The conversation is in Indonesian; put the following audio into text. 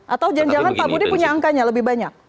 atau jangan jangan pak budi punya angkanya lebih banyak